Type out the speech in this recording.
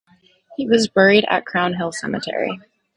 He was buried at Crown Hill Cemetery.